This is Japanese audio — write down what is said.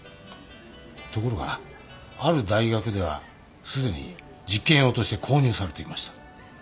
ところがある大学ではすでに実験用として購入されていました。